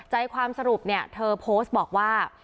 ใจความสรุปเนี่ยเธอโพสต์บอกว่า